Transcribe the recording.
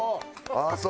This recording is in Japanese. ああそう！